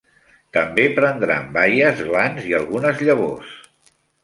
També prendran baies, glans i algunes llavors.